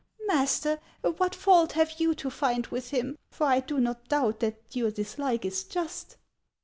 " Master, what fault have you to find with him ? For I do not doubt that your dislike is just."